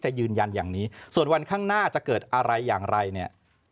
ยืนยันอย่างนี้ส่วนวันข้างหน้าจะเกิดอะไรอย่างไรเนี่ย